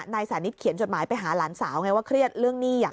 นายสานิทเขียนจดหมายไปหาหลานสาวไงว่าเครียดเรื่องหนี้อยาก